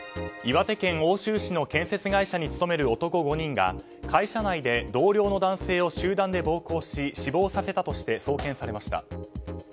岩手県奥州市の建設会社に勤める男５人が会社内で同僚の男性を集団で暴行し死亡させたとして送検されました。